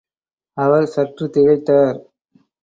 அவர் சற்று திகைத்தார்.